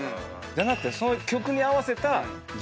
じゃなくてその曲に合わせたギター。